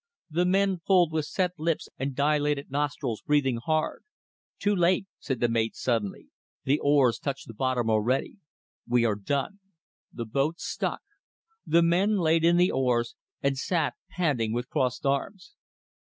The men pulled with set lips and dilated nostrils, breathing hard. "Too late," said the mate, suddenly. "The oars touch the bottom already. We are done." The boat stuck. The men laid in the oars, and sat, panting, with crossed arms.